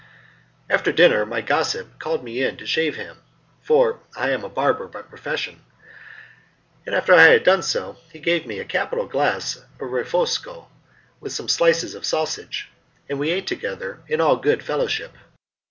"After dinner my gossip called me in to shave him (for I am a barber by profession), and after I had done so he gave me a capital glass of refosco with some slices of sausages, and we ate together in all good fellowship.